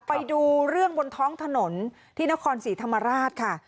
ไปดูเรื่องบนท้องถนนที่นครศรีธรรมราชค่ะ